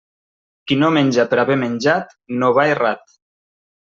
Qui no menja per haver menjat no va errat.